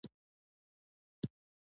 د امنیت د شورا دنده د سولې ساتل دي.